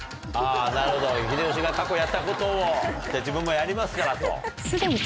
なるほど秀吉が過去やったことを自分もやりますからと。